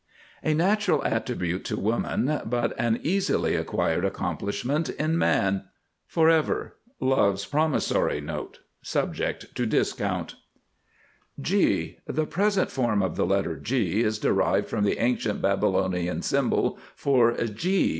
A natural attribute to woman, but an easily acquired accomplishment in man. FOREVER. Love's promissory note (subject to discount). G [Illustration: G] The present form of the letter G is derived from the ancient Babylonian symbol Gee.